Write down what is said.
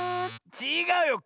ちがうよ。